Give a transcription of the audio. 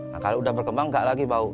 nah kalau udah berkembang nggak lagi bau